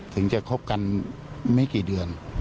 ถึงจะคบกันไม่กี่เดือน